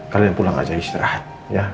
kalian pulang aja istirahat ya